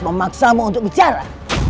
memaksamu untuk bicara